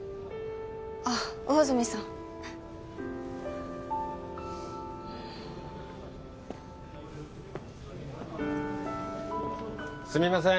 あっ魚住さんすみません